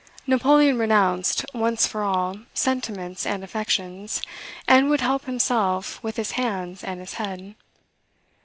Napoleon renounced, once for all, sentiments and affections, and would help himself with his hands and his head.